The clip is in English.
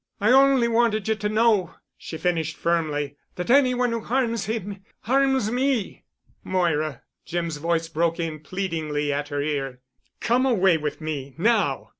I only wanted you to know," she finished firmly, "that any one who harms him, harms me——" "Moira," Jim's voice broke in pleadingly at her ear. "Come away with me—now.